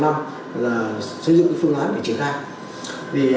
là xây dựng phương án để triển khai